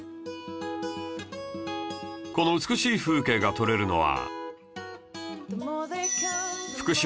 この美しい風景が撮れるのは